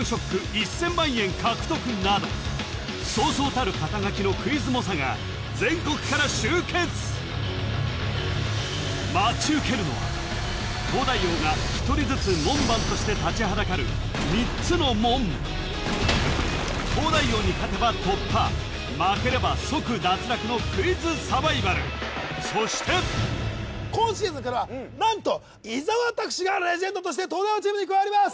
１０００万円獲得などそうそうたる肩書きのクイズ猛者が全国から集結待ち受けるのは東大王が１人ずつ門番として立ちはだかる３つの門東大王に勝てば突破負ければ即脱落のクイズサバイバルそして今シーズンからは何と伊沢拓司がレジェンドとして東大王チームに加わります